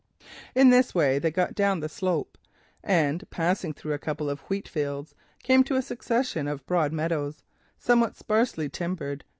In this way they went down the slope, and crossing a couple of wheat fields came to a succession of broad meadows, somewhat sparsely timbered.